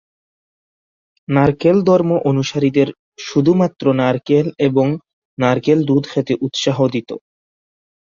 নারকেল ধর্ম অনুসারীদের শুধুমাত্র নারকেল এবং নারকেল দুধ খেতে উৎসাহ দিতো।